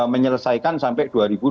menyelesaikan sampai dua ribu dua puluh